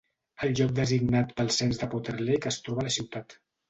El lloc designat pel cens de Potter Lake es troba a la ciutat.